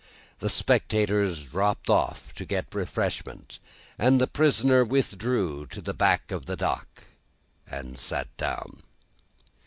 The spectators dropped off to get refreshment, and the prisoner withdrew to the back of the dock, and sat down.